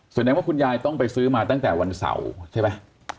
แสดงว่าคุณยายต้องไปซื้อมาตั้งแต่วันเสาร์ใช่ไหม